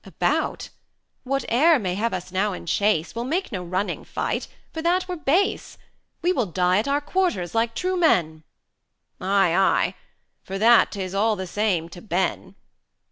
"About? Whate'er may have us now in chase, We'll make no running fight, for that were base; We will die at our quarters, like true men." "Ey, ey! for that 'tis all the same to Ben."